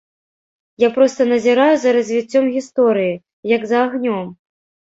Я проста назіраю за развіццём гісторыі, як за агнём.